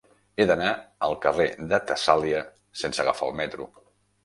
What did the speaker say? He d'anar al carrer de Tessàlia sense agafar el metro.